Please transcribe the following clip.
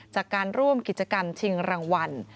จากการร่วมกิจกรรมชิงรางวัล